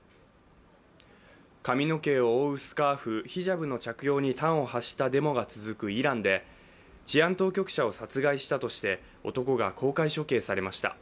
髪の毛を覆うスカーフヒジャブの着用に端を発したデモが続くイランで、治安当局者を殺害したとして男が公開処刑されました。